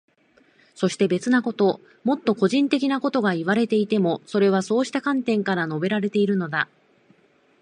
そして、別なこと、もっと個人的なことがいわれていても、それはそうした観点から述べられているのだ。